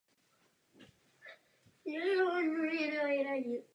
Úkolem Nejvyššího soudu bylo také zajistit jednotné uplatňování právních předpisů republiky.